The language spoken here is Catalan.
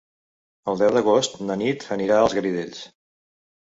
El deu d'agost na Nit anirà als Garidells.